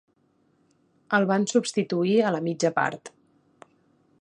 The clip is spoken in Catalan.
El van substituir a la mitja part.